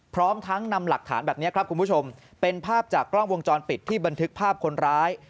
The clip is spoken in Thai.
พร้อมทั้งนำหลักฐานแบบนี้ครับคุณผู้ชมเป็นภาพจากกล้องวงจรปิดที่บันทึกภาพคนร้าย